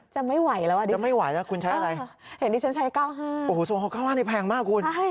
จะไม่ไหวแล้วอ่ะดิฉันเอออย่างนี้ฉันใช้๙๕บาทโอ้โหสมมติ๙๕บาทนี่แพงมากคุณ